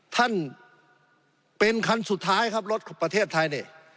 ท่านเป็นคันสุดท้ายครับรถประเทศไทยนี่